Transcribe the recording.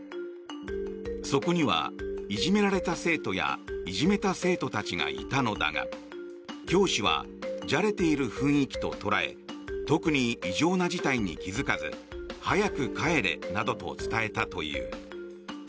そこにはいじめられた生徒やいじめた生徒たちがいたのだが教師はじゃれている雰囲気と捉え特に異常な事態に気付かず早く帰れなどと伝えたという。